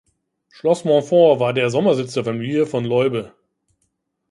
Schloss Montfort war der Sommersitz der Familie von Leube.